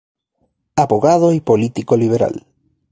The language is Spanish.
Abogado y político liberal.